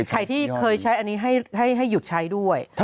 ใครที่เคยใช้อันนี้ให้หยุดใช้ด้วย